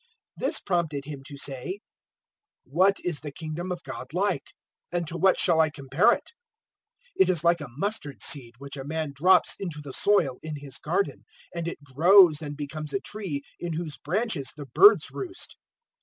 013:018 This prompted Him to say, "What is the Kingdom of God like? and to what shall I compare it? 013:019 It is like a mustard seed which a man drops into the soil in his garden, and it grows and becomes a tree in whose branches the birds roost."